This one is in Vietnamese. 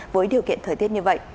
với điều kiện thời tiết như vậy